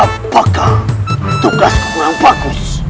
apakah tugas kurang bagus